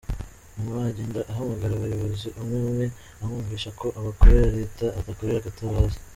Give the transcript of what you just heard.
Nyuma agenda ahamagara umuyobozi umwe umwe amwumvisha ko akorera Leta adakorera Gatabazi.